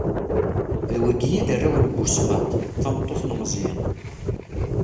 D wigi i d arraw n Busmat, tameṭṭut n Meẓyan.